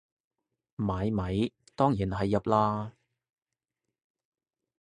買米當然係入喇